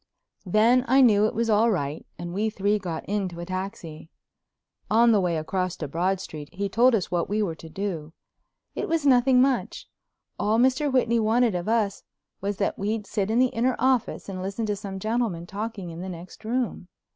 Then I knew it was all right and we three got into a taxi. On the way across to Broad Street he told us what we were to do. It was nothing much. All Mr. Whitney wanted of us was that we'd sit in the inner office and listen to some gentleman talking in the next room.